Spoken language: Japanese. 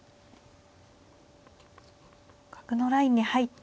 角のラインに入っていては。